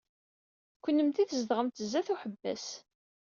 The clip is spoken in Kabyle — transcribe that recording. Kennemti tzedɣemt sdat uḥebbas.